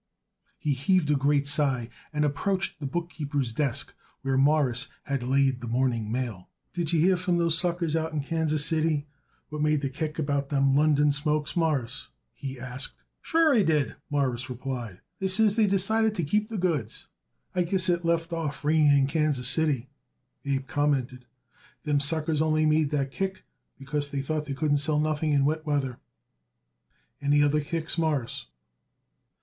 He heaved a great sigh and approached the bookkeeper's desk, where Morris had laid the morning mail. "Did you hear from those suckers out in Kansas City what made the kick about them London Smokes, Mawruss?" he asked. "Sure I did," Morris replied; "they says they decided to keep the goods." "I guess it left off raining in Kansas City," Abe commented. "Them suckers only made that kick because they thought they couldn't sell nothing in wet weather. Any other kicks, Mawruss?"